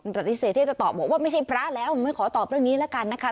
ปฏิเสธที่จะตอบบอกว่าไม่ใช่พระแล้วไม่ขอตอบเรื่องนี้แล้วกันนะคะ